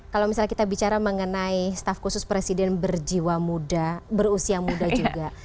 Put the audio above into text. kalau misalnya kita bicara mengenai staff khusus presiden berjiwa muda berusia muda juga